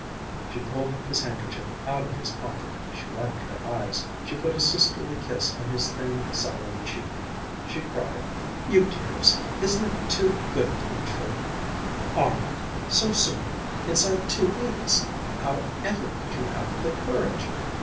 She pulled his handkerchief out of his pocket, she wiped her eyes, she put a sisterly kiss on his thin, sallow cheek, she cried: "You dears! Isn't it too good to be true! Arnold! So soon! Inside two weeks! How ever could you have the courage?